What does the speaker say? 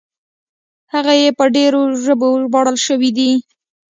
هغه یې په ډېرو ژبو ژباړل شوي دي.